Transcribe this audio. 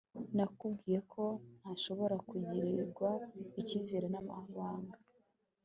Nakubwiye ko ntashobora kugirirwa ikizere namabanga